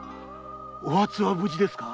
お初は無事ですか？